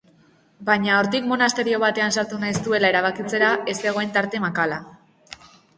Baina hortik monasterio batean sartu nahi zuela erabakitzera ez zegoen tarte makala.